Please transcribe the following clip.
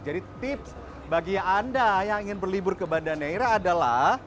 jadi tips bagi anda yang ingin berlibur ke banda neira adalah